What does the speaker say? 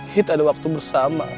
kita ada waktu bersama